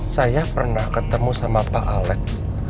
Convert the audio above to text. saya pernah ketemu sama pak alex